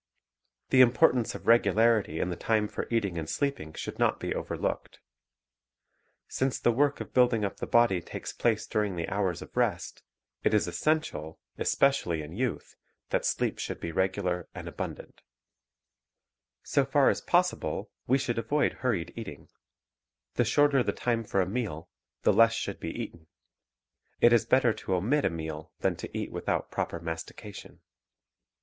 The importance of regularity in the time for eating and sleeping should not be overlooked. Since the work of building up the body takes place during the hours of rest, it is essential, especially in youth, that sleep should be regular and abundant. Selection ; Combination Regularity in Eating and Sleeping 206 Physical Culture A Social Season So far as possible, we should avoid hurried eating. The shorter the time for a meal, the less should be eaten. It is better to omit a meal than to eat without proper mastication.